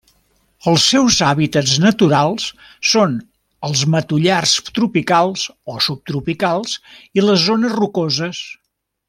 Els seus hàbitats naturals són els matollars tropicals o subtropicals i les zones rocoses.